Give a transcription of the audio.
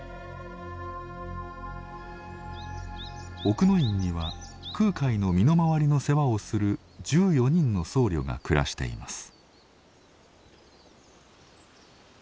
奥之院には空海の身の回りの世話をする１４人の僧侶が暮らしています。